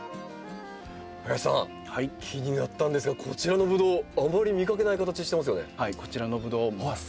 林さん気になったんですがこちらのブドウあまり見かけない形してますよね。